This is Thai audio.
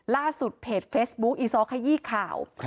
ล่าสุดเพจเฟซบุ๊คอีซ้อขยี้ข่าว